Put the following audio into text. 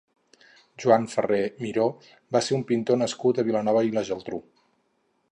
Joan Ferrer Miró va ser un pintor nascut a Vilanova i la Geltrú.